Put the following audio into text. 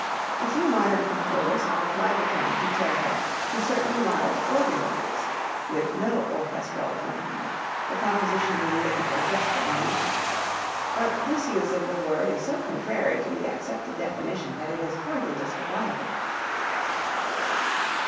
A few modern composers have applied the term concerto to certain large organ works (with no orchestral accompaniment, the composition being written for just the one instrument), but this use of the word is so contrary to the accepted definition that it is hardly justifiable.